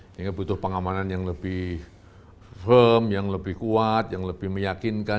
sehingga butuh pengamanan yang lebih firm yang lebih kuat yang lebih meyakinkan